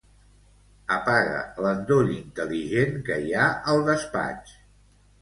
Apaga l'endoll intel·ligent que hi ha al despatx.